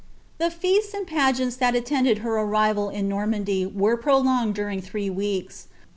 The feasts and pageants that niiended her arrival in Norttmndy wm prolonged during three weeks.